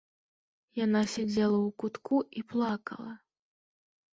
Яна сядзела ў кутку і плакала.